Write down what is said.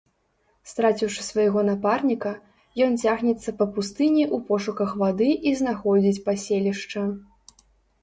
Страціўшы свайго напарніка, ён цягнецца па пустыні ў пошуках вады і знаходзіць паселішча.